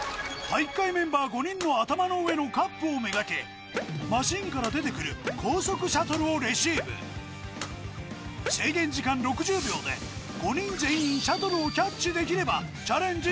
体育会メンバー５人の頭の上のカップを目がけマシンから出てくる高速シャトルをレシーブ制限時間６０秒で５人全員シャトルをキャッチできればチャレンジ